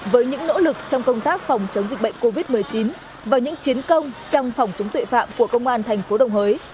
với những nỗ lực trong công tác phòng chống dịch bệnh covid một mươi chín và những chiến công trong phòng chống tuệ phạm của công an thành phố đồng hới